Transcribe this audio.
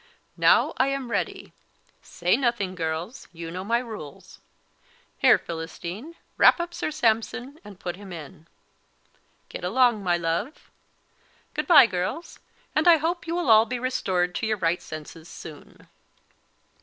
"Now I am ready; say nothing, girls you know my rules. Here, Philistine, wrap up Sir Sampson, and put him in. Get along, my love. Good bye, girls; and I hope you will all be restored to your right senses soon."